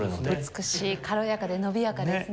美しい軽やかで伸びやかですね。